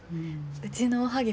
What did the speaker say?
うちのおはぎ